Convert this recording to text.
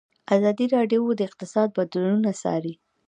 ازادي راډیو د اقتصاد بدلونونه څارلي.